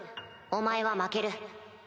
お前は負ける。